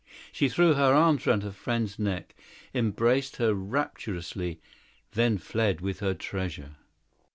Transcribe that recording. She threw her arms round her friend's neck, kissed her passionately, then fled with her treasure.